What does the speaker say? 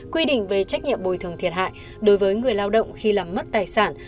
quy định về trách nhiệm bồi thường thiệt hại đối với người lao động khi làm mất tài sản